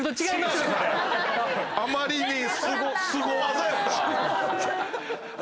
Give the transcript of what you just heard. あまりにすご技やった。